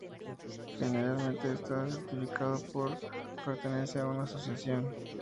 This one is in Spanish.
Generalmente está certificado por su pertenencia a una asociación.